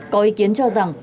có ý kiến cho rằng